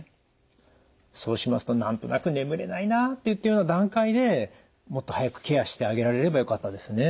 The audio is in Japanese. そうしますと何となく眠れないなといったような段階でもっと早くケアしてあげられればよかったですね。